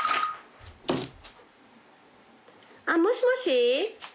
あっもしもし。